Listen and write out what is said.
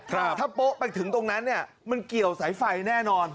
ถ้าโป๊ะไปถึงตรงนั้นเนี่ยมันเกี่ยวสายไฟแน่นอน